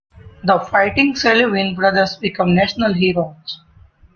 The "Fighting Sullivan Brothers" became national heroes.